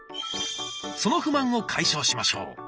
その不満を解消しましょう。